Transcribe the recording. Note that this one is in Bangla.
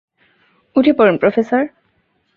উঠে পড়ুন, প্রফেসর।